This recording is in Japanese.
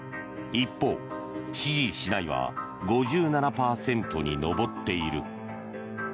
一方、支持しないは５７％に上っている。